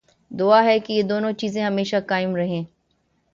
دعا ہے کہ یہ دونوں چیزیں ہمیشہ قائم رہیں۔